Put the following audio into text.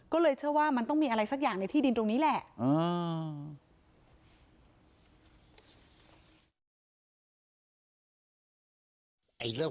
ก็เลยเชื่อว่ามันต้องมีอะไรสักอย่างในที่ดินตรงนี้แหละ